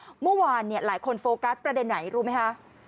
เมื่อวานหลายคนโฟกัสประเด็นไหนรู้ไหมคะ